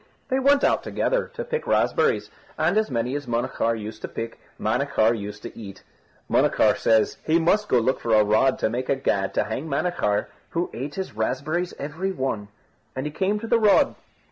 They went out together to pick raspberries, and as many as Munachar used to pick Manachar used to eat. Munachar said he must go look for a rod to make a gad to hang Manachar, who ate his raspberries every one; and he came to the rod.